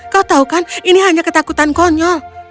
kau tahu kan ini hanya ketakutan konyol